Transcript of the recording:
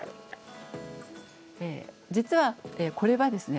実はこれはですね